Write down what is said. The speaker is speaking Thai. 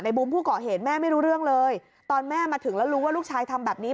บุ๋มผู้ก่อเหตุแม่ไม่รู้เรื่องเลยตอนแม่มาถึงแล้วรู้ว่าลูกชายทำแบบนี้